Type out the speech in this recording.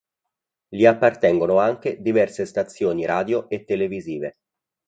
Gli appartengono anche diverse stazioni radio e televisive.